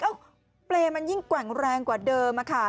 แล้วเปรย์มันยิ่งแกว่งแรงกว่าเดิมค่ะ